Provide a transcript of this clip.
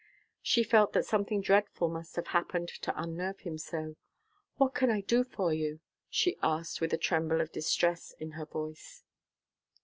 She felt that something dreadful must have happened to unnerve him so. "What can I do for you?" she asked with a tremble of distress in her voice.